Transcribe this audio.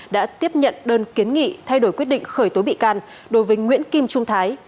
đã tiếp nhận đơn kiến nghị thay đổi quyết định khởi tố bị can đối với nguyễn kim trung thái